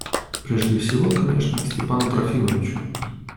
Прежде всего, конечно, к Степану Трофимовичу.